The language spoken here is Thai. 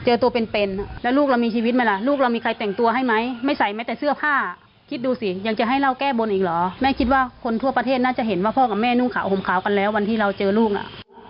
เจอตัวเป็นเป็นแล้วลูกเรามีชีวิตไหมล่ะลูกเรามีใครแต่งตัวให้ไหมไม่ใส่แม้แต่เสื้อผ้าคิดดูสิยังจะให้เราแก้บนอีกเหรอแม่คิดว่าคนทั่วประเทศน่าจะเห็นว่าพ่อกับแม่นุ่งขาวห่มขาวกันแล้ววันที่เราเจอลูกน่ะ